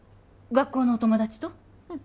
学校のお友達と？